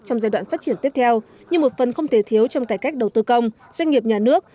trong giai đoạn phát triển tiếp theo như một phần không thể thiếu trong cải cách đầu tư công doanh nghiệp nhà nước